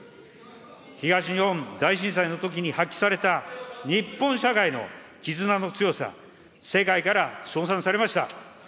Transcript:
東日本大震災のときに発揮された日本社会の絆の強さ、世界から称賛されました。